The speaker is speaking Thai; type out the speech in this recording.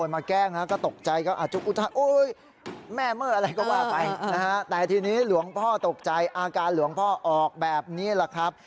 แบบนี้แหละครับ